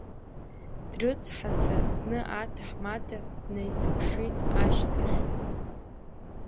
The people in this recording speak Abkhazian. Дрыцҳаӡа, зны аҭаҳмада днаизыԥшит, ашьҭахь.